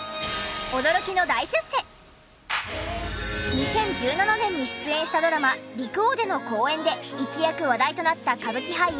２０１７年に出演したドラマ『陸王』での好演で一躍話題となった歌舞伎俳優